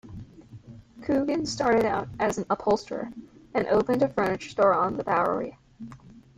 Coogan started out as an upholsterer, and opened a furniture store on the Bowery.